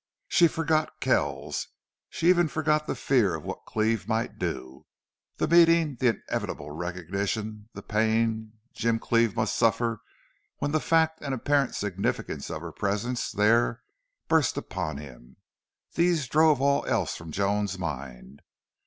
She forgot Kells. She even forgot her fear of what Cleve might do. The meeting the inevitable recognition the pain Jim Cleve must suffer when the fact and apparent significance of her presence there burst upon him, these drove all else from Joan's mind.